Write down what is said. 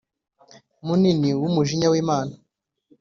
Munini W Umujinya W Imana